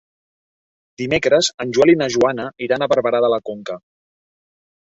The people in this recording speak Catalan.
Dimecres en Joel i na Joana iran a Barberà de la Conca.